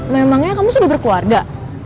memangnya kamu sudah berkeluarga